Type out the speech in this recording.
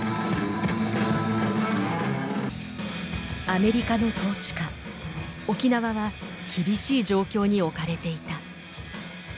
アメリカの統治下沖縄は厳しい状況に置かれていた。